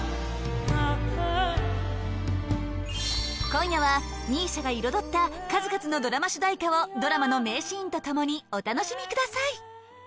今夜はＭＩＳＩＡが彩った数々のドラマ主題歌をドラマの名シーンと共にお楽しみください